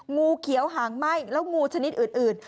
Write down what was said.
งูเขียวหางไหม้แล้วงูชนิดอื่น